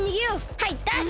はいダッシュ！